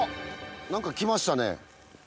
何かきましたね。